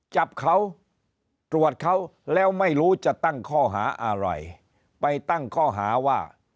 จับเขาตรวจเขาแล้วไม่รู้จะตั้งข้อหาอะไรไปตั้งข้อหาว่า